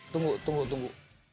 tunggu tunggu tunggu